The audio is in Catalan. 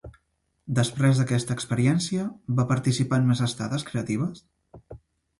Després d'aquesta experiència, va participar en més estades creatives?